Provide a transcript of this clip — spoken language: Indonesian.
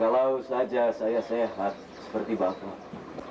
kalau saja saya sehat seperti bapak